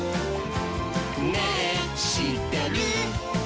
「ねぇしってる？」